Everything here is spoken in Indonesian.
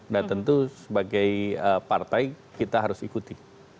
nah tentu sebagai partai kita harus ikuti